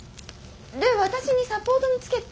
で私にサポートにつけって？